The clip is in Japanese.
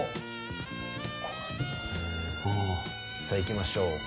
さあいきましょう。